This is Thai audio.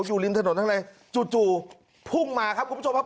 อยู่ริมถนนข้างในจู่พุ่งมาครับคุณผู้ชมครับ